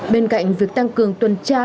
bên cạnh việc tăng cường tuần tra